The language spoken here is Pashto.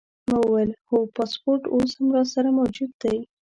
ما وویل: هو، پاسپورټ اوس هم راسره موجود دی.